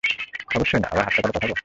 অবশ্যই না, আবার হাসপাতালে পাঠাবো?